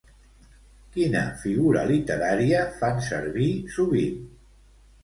Quina figura literària fan servir sovint?